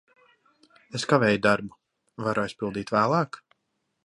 Es kavēju darbu. Varu aizpildīt vēlāk?